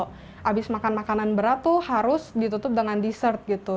habis makan makanan berat tuh harus ditutup dengan dessert gitu